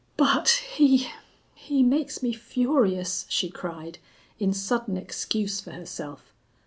"But he he makes me furious," she cried, in sudden excuse for herself.